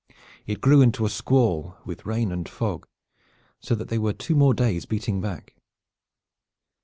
It grew into a squall with rain and fog so that they were two more days beating back.